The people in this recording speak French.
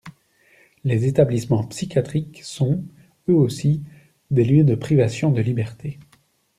Les établissements psychiatriques sont, eux aussi, des lieux de privation de liberté.